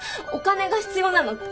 お金が必要なの。